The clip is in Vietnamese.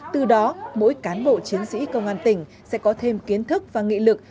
từ đó mỗi cán bộ chiến sĩ công an tỉnh sẽ có thêm kiến thức và nghị lực